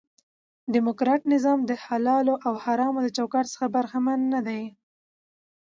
ډیموکراټ نظام دحلالو او حرامو د چوکاټ څخه برخمن نه دي.